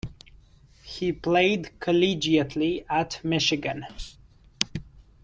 He played collegiately at Michigan.